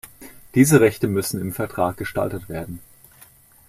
Diese Rechte müssen im Vertrag gestaltet werden.